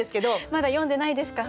まだ詠んでないですか？